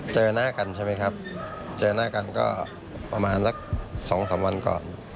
เจอหน้ากันใช่ไหมครับเจอหน้ากันก็ประมาณสัก๒๓วันก่อน